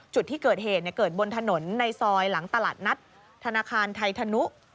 จุดที่เกิดเหตุเกิดบนถนนในซอยหลังตลาดนัดธนาคารไทยธนุ